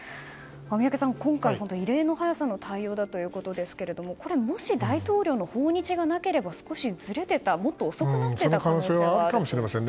宮家さん、今回異例の速さの対応だったということですがもし大統領の訪日がなければすこしずれていたもっと遅くなっていた可能性もありますよね。